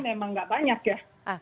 memang nggak banyak ya